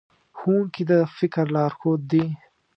ښوونکي د فکر لارښود دي.